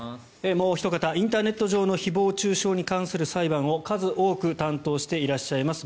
もうおひと方インターネット上の誹謗・中傷に関する裁判を数多く担当していらっしゃいます